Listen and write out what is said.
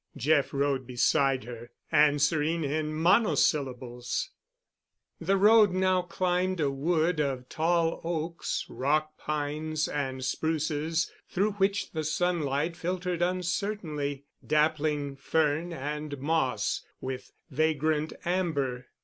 Jeff rode beside her, answering in monosyllables. The road now climbed a wood of tall oaks, rock pines, and spruces, through which the sunlight filtered uncertainly, dappling fern and moss with vagrant amber.